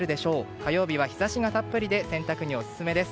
火曜日は日差しがたっぷりで洗濯にオススメです。